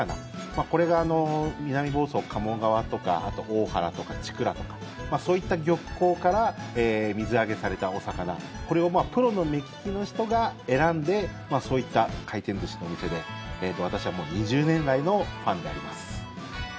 これが南房総、鴨川とかあと、大原とか千倉とかそういった漁港から水揚げされたお魚これをプロの目利きの人が選んでそういった回転寿司のお店で私はもう２０年来のファンであります。